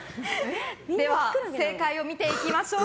では正解を見ていきましょう。